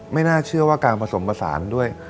ไม่น่าเชื่อว่าการผสมผสานด้วย